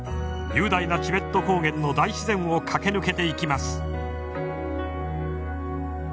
雄大なチベット高原の大自然を駆け抜けていきます。